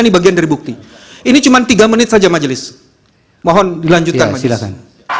ini bagian dari bukti ini cuma tiga menit saja majelis mohon dilanjutkan penjelasan